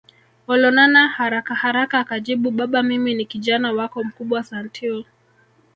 Olonana harakaharaka akajibu Baba mimi ni Kijana wako mkubwa Santeu